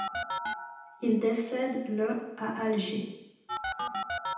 Il décède le à Alger.